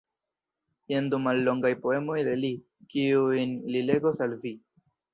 Jen du mallongaj poemoj de li, kiujn li legos al vi.